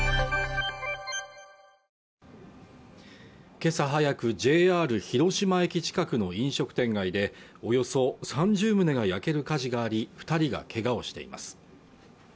今朝早くＪＲ広島駅近くの飲食店街でおよそ３０棟が焼ける火事があり二人がけがをしています